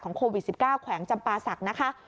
โควิด๑๙แขวงจำปาศักดิ์นะคะ